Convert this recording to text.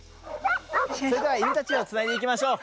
それでは犬たちをつないでいきましょう。